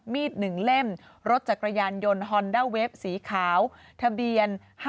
๑เล่มรถจักรยานยนต์ฮอนด้าเวฟสีขาวทะเบียน๕๗